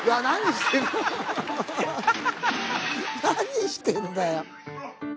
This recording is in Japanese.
何してんだよ！